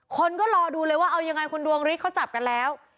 คนก็รอดูเลยว่าเอายังไงคุณดวงฤทธิเขาจับกันแล้ว